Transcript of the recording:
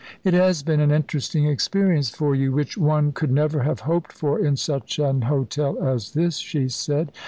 "It has been an interesting experience for you, which one could never have hoped for in such an hotel as this," she said.